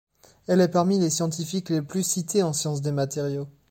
Elle est parmi les scientifiques les plus cités en sciences des matériaux.